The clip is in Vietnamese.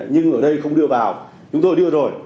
nhưng ở đây không đưa vào chúng tôi đưa rồi